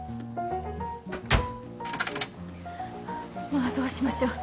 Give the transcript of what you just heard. まあどうしましょう。